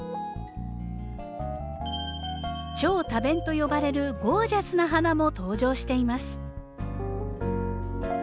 超多弁と呼ばれるゴージャスな花も登場しています。